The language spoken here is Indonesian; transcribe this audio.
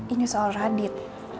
ini soal radit